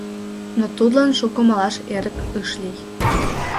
Но тудлан шуко малаш эрык ыш лий.